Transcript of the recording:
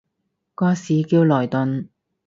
個市叫萊頓